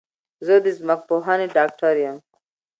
زه د ځمکپوهنې ډاکټر یم